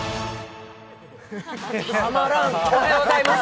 たまらん、おはようございます。